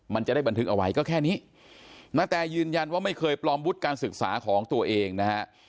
มันจะได้บันทึกเอาไว้ก็แค่นี้ณแตยืนยันว่าไม่เคยปลอมวุฒิการศึกษาของตัวเองนะฮะ